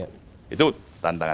politik terganggu politik terganggu